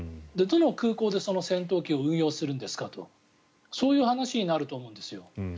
どの空港でその戦闘機を運用するんですかというそういう話になると思うんですよ。